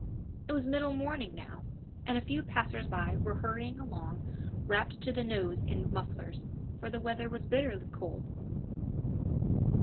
It was middle morning now, and a few passers by were hurrying along wrapped to the nose in mufflers, for the weather was bitterly cold.